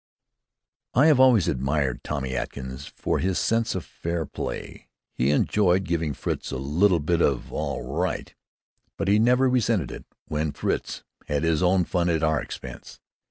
I have always admired Tommy Atkins for his sense of fair play. He enjoyed giving Fritz "a little bit of all right," but he never resented it when Fritz had his own fun at our expense.